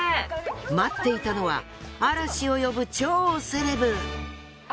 待っていたのは嵐を呼ぶ超セレブ。